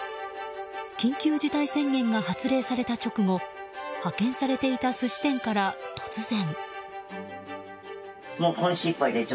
緊急事態宣言が発令された直後派遣されていた寿司店から突然。